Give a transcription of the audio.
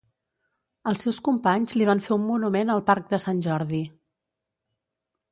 Els seus companys li van fer un monument al parc de Sant Jordi.